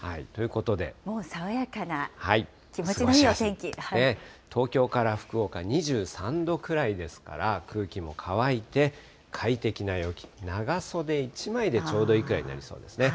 もう爽やかな気持ちのいいお東京から福岡２３度くらいですから、空気も乾いて、快適な陽気、長袖１枚でちょうどいいくらいになりそうですね。